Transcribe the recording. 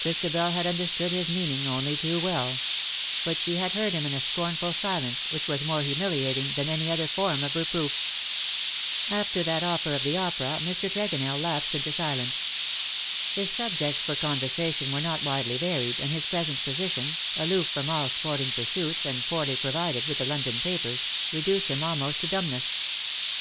Christabel had understood his meaning only too well ; but she had heard him in a scornful silence which was more humiliating than any other form of reproof. After that oflPer of the opera, Mr. Tregonell lapsed into silence. His subjects for conversation were not widely varied, and his present position, aloof from all sporlicg pursuits, and poorly provided with the London papers, reduced him almost to dumbness.